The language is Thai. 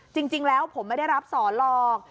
จริงแล้วผมไม่ได้รับสอนหรอก